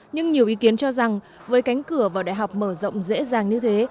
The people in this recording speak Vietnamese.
nhưng nhiều ý kiến cho rằng với cánh cửa vào đại học mở rộng dễ dàng như thế